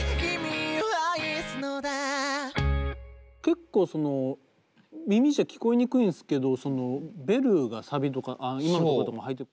結構耳じゃ聞こえにくいんすけどベルがサビとかあの今のところとかも入って。